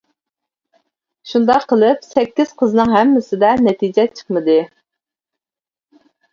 شۇنداق قىلىپ سەككىز قىزنىڭ ھەممىسىدە نەتىجە چىقمىدى.